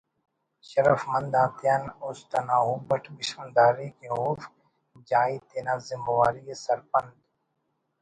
شرف مند آتیان است انا ہُب اٹ بشخنداری کہ اوفک جائی تینا زمواری ءِ سرپند